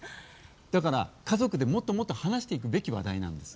だから、家族で、もっともっと話していくべき話題なんです。